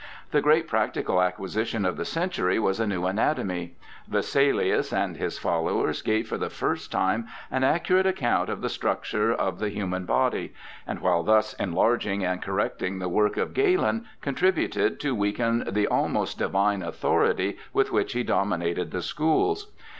The great practical acquisition of the century was a new anatomy. Vesalius and his followers gave for the first time an accurate account of the structure of the human body, and while thus enlarging and correct ing the work of Galen contributed to weaken the almost divine authority with which he dominated the schools.